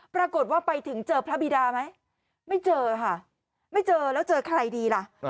ปรากฏว่าไปถึงเจอพระบีดาไหมไม่เจอค่ะไม่เจอแล้วเจอใครดีล่ะ